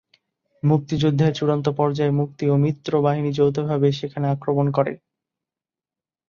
মুক্তিযুদ্ধের চূড়ান্ত পর্যায়ে মুক্তি ও মিত্র বাহিনী যৌথভাবে সেখানে আক্রমণ করে।